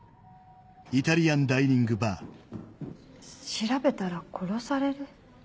調べたら殺される？